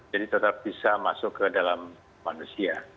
jadi tetap bisa masuk ke dalam manusia